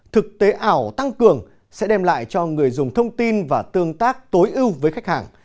thực tế ảo tăng cường sẽ đem lại cho người dùng thông tin và tương tác tối ưu với khách hàng